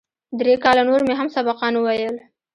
درې کاله نور مې هم سبقان وويل.